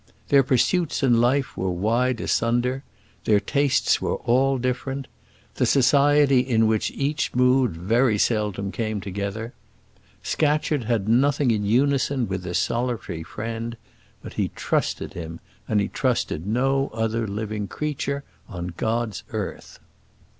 Their pursuits in life were wide asunder. Their tastes were all different. The society in which each moved very seldom came together. Scatcherd had nothing in unison with this solitary friend; but he trusted him, and he trusted no other living creature on God's earth.